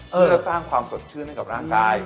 เพื่อสร้างความสดชื่นให้กับร่างกาย